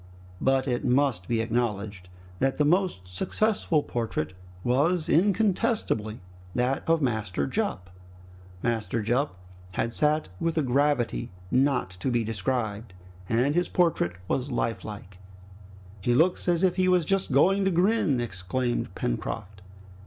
But it must be acknowledged that the most successful portrait was incontestably that of Master Jup. Master Jup had sat with a gravity not to be described, and his portrait was lifelike! "He looks as if he was just going to grin!" exclaimed Pencroft.